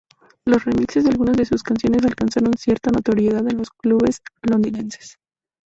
Los remixes de algunas de sus canciones alcanzaron cierta notoriedad en los clubes londinenses.